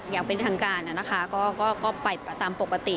อย่างเป็นทางการนะคะก็ไปตามปกติ